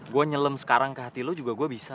gue nyelem sekarang ke hati lu juga gue bisa